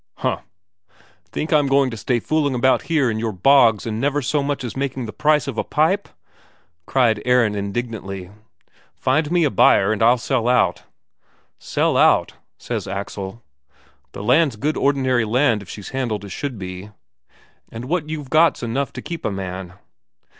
"Huh! Think I'm going to stay fooling about here in your bogs and never so much as making the price of a pipe?" cried Aron indignantly. "Find me a buyer and I'll sell out." "Sell out?" says Axel. "The land's good ordinary land if she's handled as should be and what you've got's enough to keep a man."